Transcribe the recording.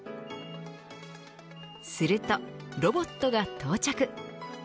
するとロボットが到着。